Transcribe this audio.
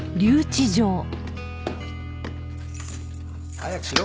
早くしろ！